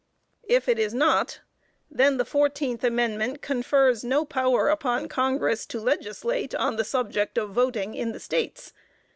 If it is not, then the fourteenth amendment confers no power upon Congress, to legislate, on the subject of voting in the States.